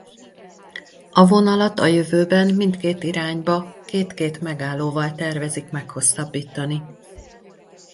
A vonalat a jövőben mindkét irányba két-két megállóval tervezik meghosszabbítani.